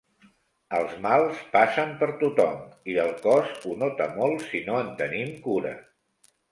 Els mals passen per tothom i el cos ho nota molt si no en tenim cura.